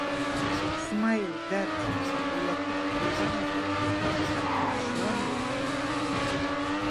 Смаил, дад, улаԥықәшәа иуанаҳәозеи, акы ҳазшьуама уаҵәы?